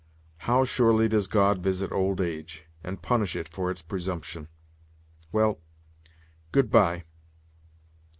How surely does God visit old age, and punish it for its presumption! Well, good bye.